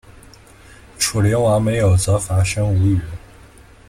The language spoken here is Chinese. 楚灵王没有责罚申无宇。